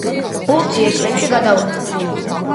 ბურთი ეკლებში გადავარდა.